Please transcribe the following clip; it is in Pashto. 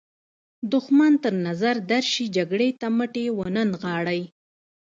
دښمن تر نظر درشي جګړې ته مټې ونه نغاړئ.